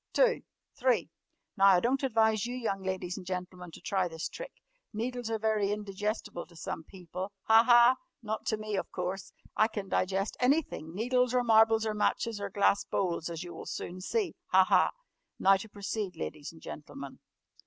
Two! Three! Now, I don't advise you young ladies and gentlemen to try this trick. Needles are very indigestible to some people. Ha! Ha! Not to me, of course! I can digest anything needles, or marbles, or matches, or glass bowls as you will soon see. Ha! Ha! Now to proceed, ladies and gentlemen."